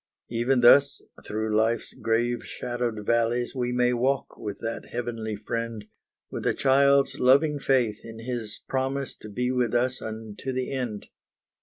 Even thus through life's grave shadowed valleys, We may walk with that Heavenly Friend, With a child's loving faith in His promise To be with us unto the end.